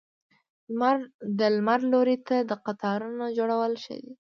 د لمر لوري ته د قطارونو جوړول ښه دي؟